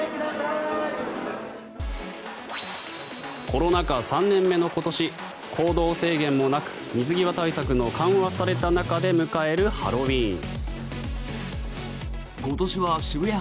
コロナ禍３年目の今年行動制限もなく水際対策の緩和された中で迎えるハロウィーン。